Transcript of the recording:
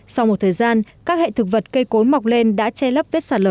sau một thời gian các hệ thực vật cây cối mọc lên đã che lấp vết sạt lở